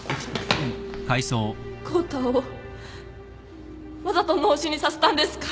康太をわざと脳死にさせたんですか？